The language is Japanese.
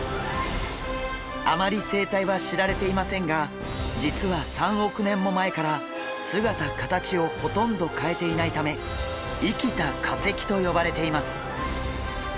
あまり生態は知られていませんが実は３億年も前から姿形をほとんど変えていないため生きた化石と呼ばれています。